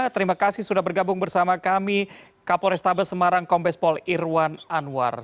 terima kasih sudah bergabung bersama kami kapol restabel semarang kompas pol irwan anwar